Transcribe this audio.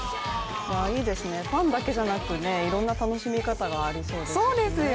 いいですね、ファンだけでなくいろんな楽しみ方がありそうですね。